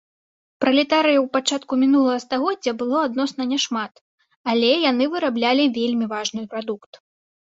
Пралетарыяў пачатку мінулага стагоддзя было адносна няшмат, але яны выраблялі вельмі важны прадукт.